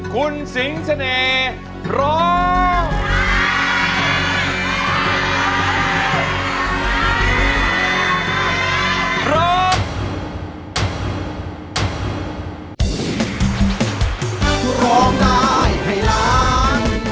คุณสิงสะเนยร้อง